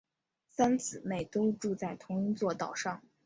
三姊妹都住在同一座岛上。